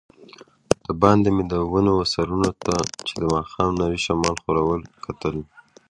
دباندې مې د ونو وه سرونو ته چي د ماښام نري شمال ښورول، کتل.